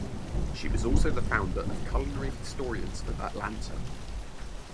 She was also the founder of Culinary Historians of Atlanta.